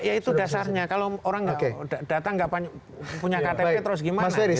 ya itu dasarnya kalau orang datang punya ktp terus gimana